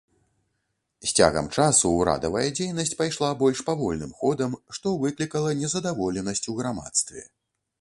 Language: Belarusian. З цягам часу ўрадавая дзейнасць пайшла больш павольным ходам, што выклікала незадаволенасць у грамадстве.